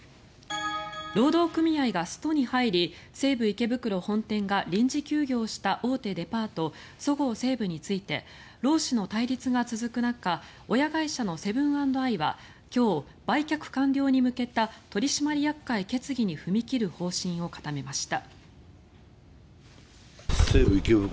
労働組合がストに入り西武池袋本店が臨時休業した大手デパートそごう・西武について労使の対立が続く中親会社のセブン＆アイは今日、売却完了に向けた取締役会決議に踏み切る方針を固めました。